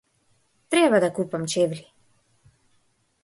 Треба да купам чевли.